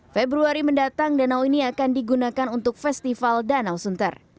februari mendatang danau ini akan digunakan untuk festival danau sunter